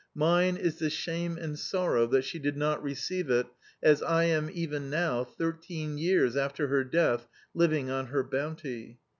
Mine is the shame and sorrow that she did not re ceive it, as I am even now, thirteen years after her death, living on her bounty.